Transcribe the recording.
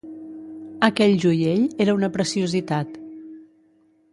Aquell joiell era una preciositat.